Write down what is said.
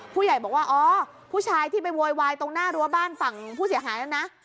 ผู้ใหญ่บอกว่าอ๋อผู้ชายที่ไปโวยวายตรงหน้ารั้วบ้านฝั่งผู้เสียหายแล้วนะ